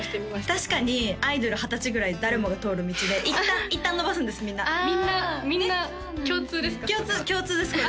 確かにアイドル二十歳ぐらい誰もが通る道でいったん伸ばすんですみんなみんな共通ですか？